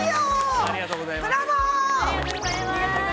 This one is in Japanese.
ありがとうございます。